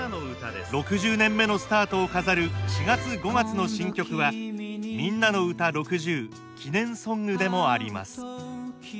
６０年目のスタートを飾る４月５月の新曲は「みんなのうた６０」記念ソングでもあります。